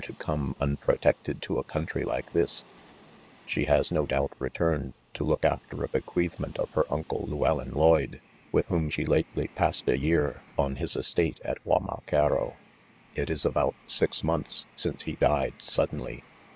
to come unprotected to a eoustry like tMs h— She has no doubt returned to look after a be* queathment of her uncle Llewellyn Lloyde, ■with whom she lately passed a year, on his es tate, at Guamacaro, It is about six month i since he died suddenly.